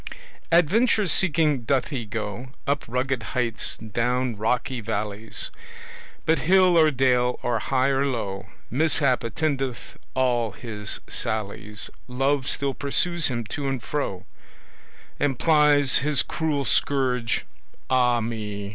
Adventure seeking doth he go Up rugged heights, down rocky valleys, But hill or dale, or high or low, Mishap attendeth all his sallies: Love still pursues him to and fro, And plies his cruel scourge ah me!